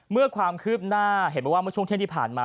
เมื่อความคืบหน้าเห็นบอกว่าเมื่อช่วงเที่ยงที่ผ่านมา